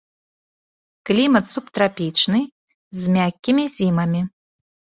Клімат субтрапічны з мяккімі зімамі.